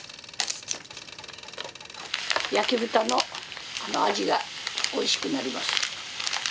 焼き豚の味がおいしくなります。